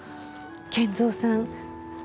賢三さん